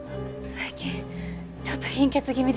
最近ちょっと貧血気味で。